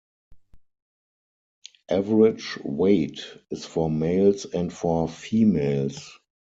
Average weight is for males and for females.